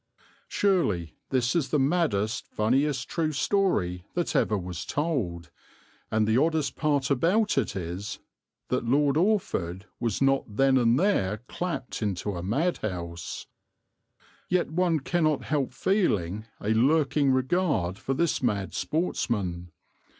Surely this is the maddest, funniest true story that ever was told, and the oddest part about it is that Lord Orford was not then and there clapped into a madhouse. Yet one cannot help feeling a lurking regard for this mad sportsman.